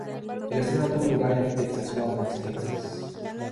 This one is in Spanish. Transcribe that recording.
El estreno tuvo lugar en The Woodlands, Texas.